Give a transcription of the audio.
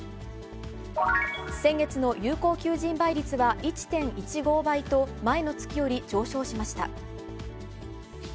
先月の有効求人倍率は１．１５倍と、前の月より上昇しました。